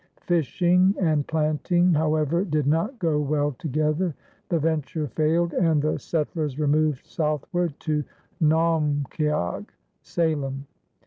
Fishing and planting, however, did not go well together, the venture failed, and the settlers removed southward to Naumkeag (Salem).